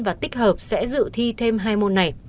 và tích hợp sẽ dự thi thêm hai môn này